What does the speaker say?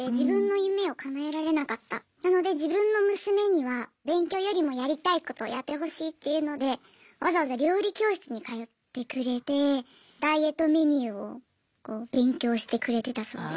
なので自分の娘には勉強よりもやりたいことやってほしいっていうのでわざわざ料理教室に通ってくれてダイエットメニューを勉強してくれてたそうです。